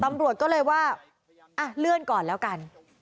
ตำรวจก็เลยว่าเลื่อนก่อนแล้วกัน